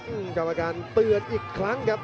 อื้อกลับมาการเตือนอีกครั้งครับ